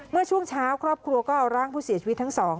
เมื่อช่วงเช้าครอบครัวก็เอาร่างผู้เสียชีวิตทั้งสอง